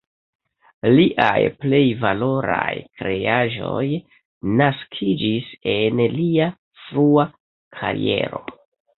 Liaj plej valoraj kreaĵoj naskiĝis en lia frua kariero.